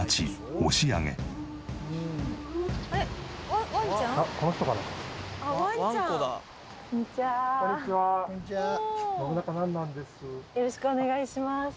よろしくお願いします。